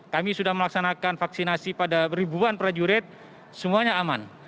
kami sudah melaksanakan vaksinasi pada ribuan prajurit semuanya aman